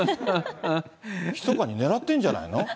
ひそかにねらってるんじゃないの？